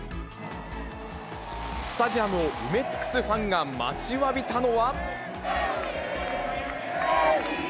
スタジアムを埋め尽くすファンが待ちわびたのは。